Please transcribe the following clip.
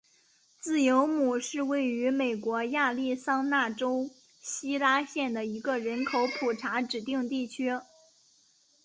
自由亩是位于美国亚利桑那州希拉县的一个人口普查指定地区。